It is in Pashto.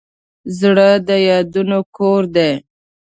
زړه د یادونو کور دی.